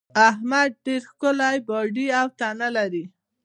احمد ډېره ښکلې باډۍ او تنه لري.